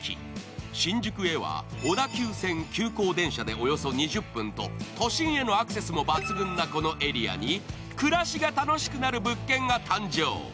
新宿へは小田急線急行電車でおよそ２０分と都心へのアクセスも抜群なこのエリアに暮らしが楽しくなる物件が誕生。